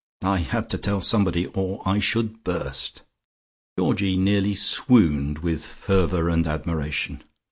I had to tell somebody or I should burst." Georgie nearly swooned with fervour and admiration.